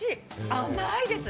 甘いです。